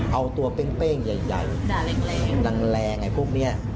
เอาตัวเป้งใหญ่แรงไอ้พวกนี้